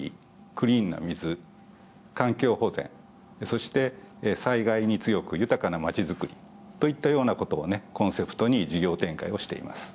クリーンな水環境保全そして災害に強く豊かな街づくりといったようなことをねコンセプトに事業展開をしています。